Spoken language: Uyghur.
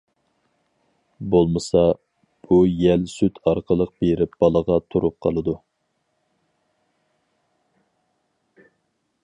بولمىسا، بۇ يەل سۈت ئارقىلىق بېرىپ بالىغا تۈرۈپ قالىدۇ.